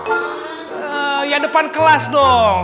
oh ya depan kelas dong